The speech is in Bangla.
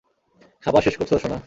খাবার শেষ করছো, সোনা?